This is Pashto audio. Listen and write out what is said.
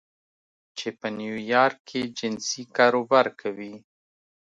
چې په نیویارک کې جنسي کاروبار کوي